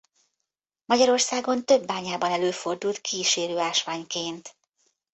Magyarországon több bányában előfordult kísérő ásványként.